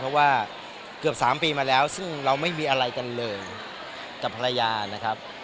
เพราะว่าเกือบ๓ปีมาแล้วซึ่งเราไม่มีอะไรกันเลยกับภรรยานะครับ